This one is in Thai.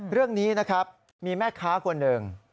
เรื่องนี้นะครับมีแม่ค้าคนหนึ่ง